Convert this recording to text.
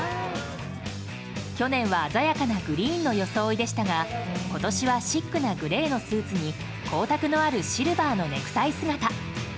去年は鮮やかなグリーンの装いでしたが今年はシックなグレーのスーツに光沢のあるシルバーのネクタイ姿。